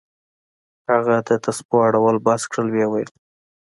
هغه د تسبو اړول بس كړل ويې ويل.